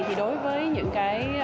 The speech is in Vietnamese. thì đối với những cái